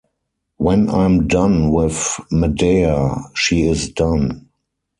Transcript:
When I'm done with Madea, she is done.